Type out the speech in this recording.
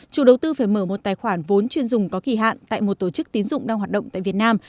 chủ đầu tư phải mở một tài khoản vốn chuyên dùng có kỳ hạn tại một tổ chức tín dụng đang hoạt động tại việt nam